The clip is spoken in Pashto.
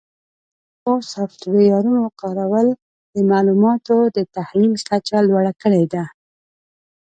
د نوو سافټویرونو کارول د معلوماتو د تحلیل کچه لوړه کړې ده.